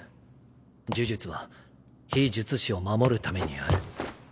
呪術は非術師を守るためにある。